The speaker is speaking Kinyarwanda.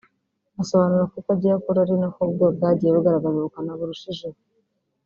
Asobanura ko uko yagiye akura ari ko na bwo bwagiye bugaragaza ubukana burushijeho